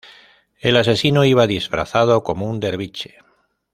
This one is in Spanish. El asesino iba disfrazado como un derviche.